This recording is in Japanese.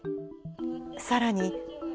さらに。